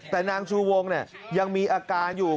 แต่นางชูวงยังมีอาการอยู่